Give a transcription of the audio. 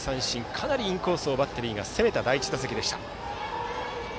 かなりインコースをバッテリーが攻めた第１打席でした。